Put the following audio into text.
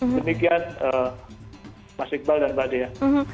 demikian pak sikbal dan pak dea